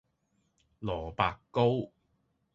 蘿蔔糕